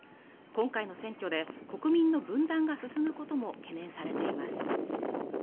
今回の選挙で国民の分断が進むことも懸念されています